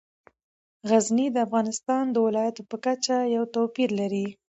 غزني د افغانستان د ولایاتو په کچه یو توپیر لري.